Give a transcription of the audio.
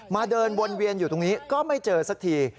เดินวนเวียนอยู่ตรงนี้ก็ไม่เจอสักที